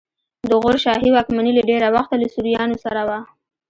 د غور شاهي واکمني له ډېره وخته له سوریانو سره وه